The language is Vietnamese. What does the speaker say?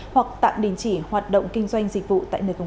hoặc tạm đình chỉ hoạt động kinh doanh dịch vụ tại nơi công cộng